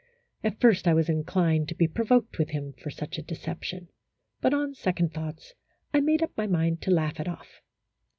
At first I was inclined to be provoked with him for such deception, but, on second thoughts, I made up my mind to laugh it off.